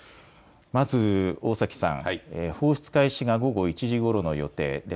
まず大崎さん、放出開始が午後１時ごろの予定です。